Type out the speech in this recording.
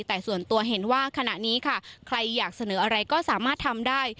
แต่ส่วนตัวเห็นว่าขณะนี้ค่ะใครอยากเสนออะไรก็สามารถทำได้